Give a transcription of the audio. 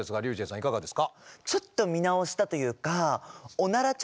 いかがですか？